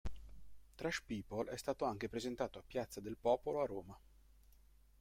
Trash People è stato anche presentato a Piazza del Popolo a Roma.